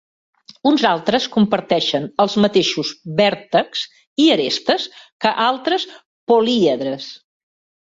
Uns altres comparteixen els mateixos vèrtexs i arestes que altres políedres.